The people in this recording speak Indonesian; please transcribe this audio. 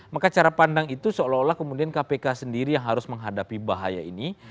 maka cara pandang itu seolah olah kemudian kpk sendiri yang harus menghadapi bahaya ini